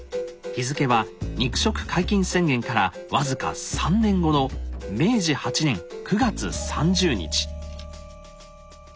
日付は肉食解禁宣言から僅か３年後の明治８年９月３０日。